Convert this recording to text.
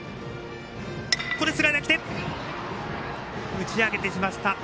打ち上げてしまいました。